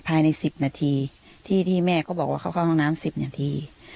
ภายในสิบนาทีที่ที่แม่ก็บอกว่าเข้าเข้าน้ำสิบนาที